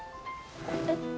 えっ？